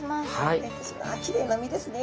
きれいなみですね。